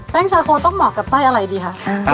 ชาโคต้องเหมาะกับไส้อะไรดีคะ